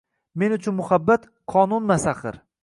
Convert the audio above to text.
Men uchun muhabbat — qonunmas axir